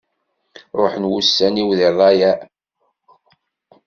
Ruḥen wussan-iw di rrayeε.